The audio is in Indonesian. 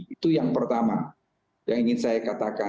itu yang pertama yang ingin saya katakan